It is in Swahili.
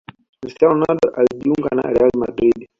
Cristiano Ronaldo alijuinga na Real Madrid